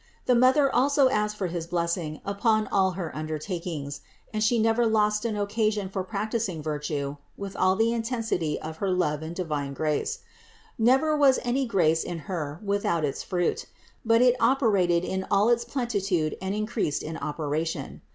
The Mother also asked for his bless ing upon all her undertakings; and She never lost an occasion for practicing virtue with all the intensity of her love and divine grace. Never was any grace in Her without its fruit, but it operated in all its plenitude and increased in operation.